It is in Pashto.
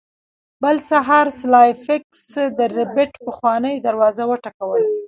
بل سهار سلای فاکس د ربیټ پخوانۍ دروازه وټکوله